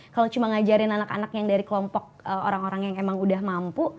kalau cuma ngajarin anak anak yang dari kelompok orang orang yang emang udah mampu